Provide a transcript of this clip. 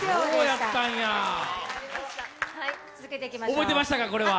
覚えてましたか、これは。